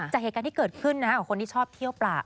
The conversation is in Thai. จากเหตุการณ์ที่เกิดขึ้นกับคนที่ชอบเที่ยวปลา